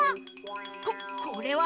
ここれは！